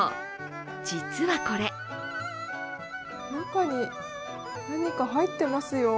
実は、これ中に何か入ってますよ。